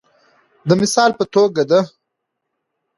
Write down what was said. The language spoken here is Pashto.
د مثال په توګه د